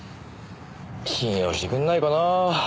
信用してくんないかな。